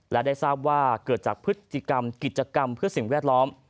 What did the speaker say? และได้ทราบว่าเกิดจากพฤติกรรมกิจกรรมเพื่อสิ่งแวดล้อม